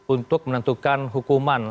untuk menentukan hukuman